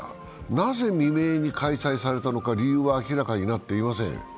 なぜ未明に開催されたのか理由は明らかになっていません。